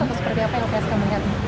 atau seperti apa yang psk melihat